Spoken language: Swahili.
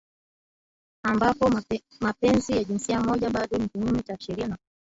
ambako mapenzi ya jinsia moja bado ni kinyume cha sheria na